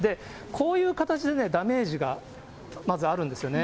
こういう形でダメージがまずあるんですよね。